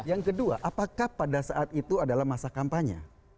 yang kedua apakah pada saat itu adalah masa kampanye